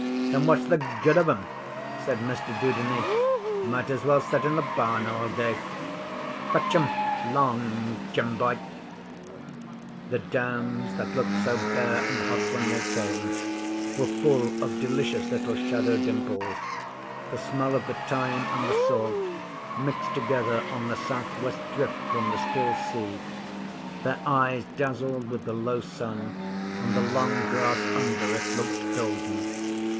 'Then what's the good of 'em?' said Mr Dudeney. 'Might as well set in the barn all day. Fetch 'em 'long, Jim boy!' The Downs, that looked so bare and hot when they came, were full of delicious little shadow dimples; the smell of the thyme and the salt mixed together on the south west drift from the still sea; their eyes dazzled with the low sun, and the long grass under it looked golden.